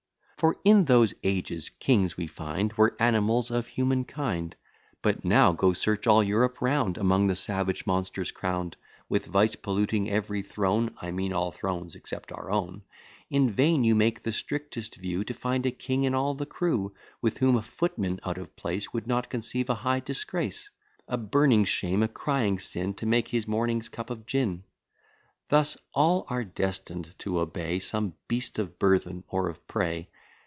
For in those ages kings, we find, Were animals of human kind. But now, go search all Europe round Among the savage monsters With vice polluting every throne, (I mean all thrones except our own;) In vain you make the strictest view To find a in all the crew, With whom a footman out of place Would not conceive a high disgrace, A burning shame, a crying sin, To take his morning's cup of gin. Thus all are destined to obey Some beast of burthen or of prey.